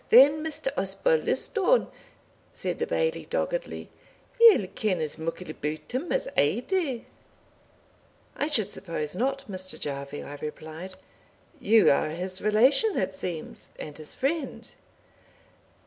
"Ou then, Mr. Osbaldistone," said the Bailie, doggedly, "ye'll ken as muckle about him as I do." "I should suppose not, Mr. Jarvie," I replied; "you are his relation, it seems, and his friend."